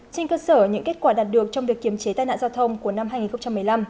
trên cơ sở những kết quả đạt được trong việc kiềm chế tai nạn giao thông của năm hai nghìn một mươi năm